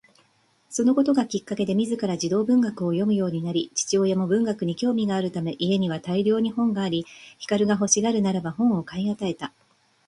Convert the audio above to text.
そのことがきっかけで自ら児童文学を読むようになり、父親も文学に興味があるため家には大量に本があり、光が欲しがるならば本を買い与えた